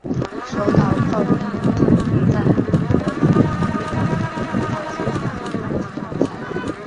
守岛炮兵阵地在德军猛烈的炮击下很快沉默下来。